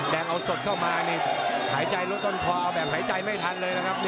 แดงเอาสดเข้ามาหายใจรถต้นควาแบบหายใจไม่ทันเลยนะครับ